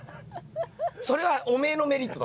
それはおめえのメリットだ。